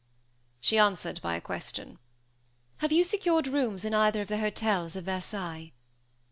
She answered by a question. "Have you secured rooms in either of the hotels of Versailles?"